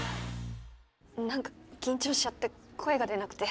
何か緊張しちゃって声が出なくて。